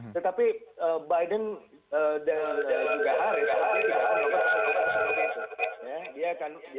tetapi biden dan juga harris tidak akan lakukan sesuatu seperti itu